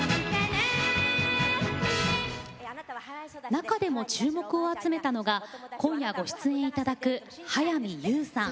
中でも注目を集めたのが今夜ご出演いただく早見優さん。